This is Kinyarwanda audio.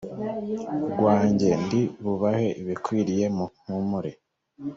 rwanjye ndi bubahe ibikwiriye muhumure